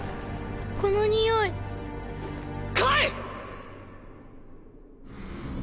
このにおい来い！